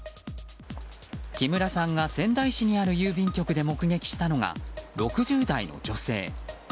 木村さんが仙台市にある郵便局で目撃したのが６０代の女性。